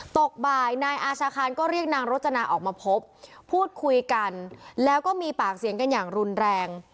ตกบ่ายนายอาชาคานก็เรียกนางรจนาออกมาพบพูดคุยกันแล้วก็มีปากเสียงกันอย่างรุนแรง